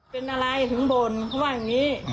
เป็นอะไรถึงบ่นเขาว่าอย่างนี้